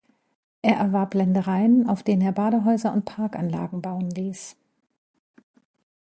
Er erwarb Ländereien, auf denen er Badehäuser und Parkanlagen bauen ließ.